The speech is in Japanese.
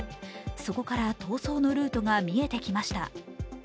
そこから逃走のルートが見えてきました。